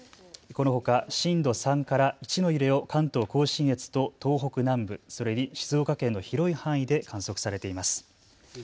このほか震度３から１の揺れを関東甲信越と東北南部、それに静岡県の広い範囲で観測されています。